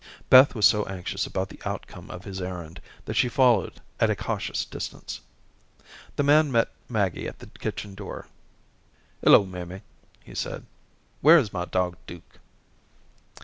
Beth was so anxious about the outcome of his errand that she followed at a cautious distance. The man met Maggie at the kitchen door. "Hello, mammy," he said. "Where is my dog Duke?"